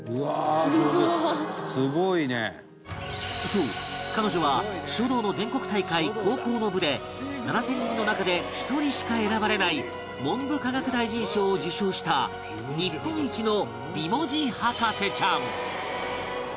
そう彼女は書道の全国大会高校の部で７０００人の中で一人しか選ばれない文部科学大臣賞を受賞した日本一の